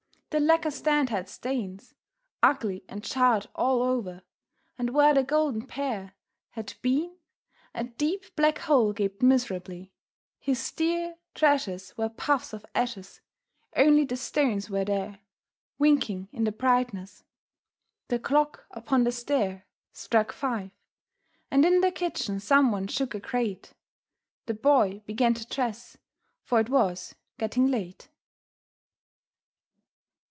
The lacquer stand had stains Ugly and charred all over, and where the golden pear Had been, a deep, black hole gaped miserably. His dear Treasures were puffs of ashes; only the stones were there, Winking in the brightness. The clock upon the stair Struck five, and in the kitchen someone shook a grate. The Boy began to dress, for it was getting late.